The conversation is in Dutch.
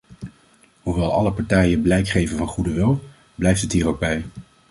Hoewel alle partijen blijk geven van goede wil, blijft het hier ook bij.